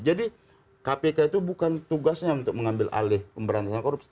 jadi kpk itu bukan tugasnya untuk mengambil alih pemberantasan korupsi